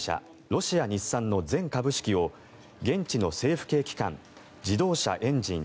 ロシア日産の全株式を現地の政府系機関自動車・エンジン